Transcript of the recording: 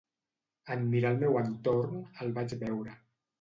En mirar al meu entorn, el vaig veure.